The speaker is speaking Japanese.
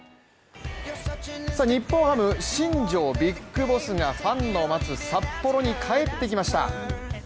日本ハム、新庄ビッグボスがファンの待つ札幌に帰ってきました。